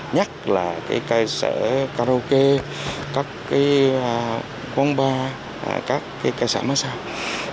nhắc là cây sở karaoke các quán bar các cây sở massage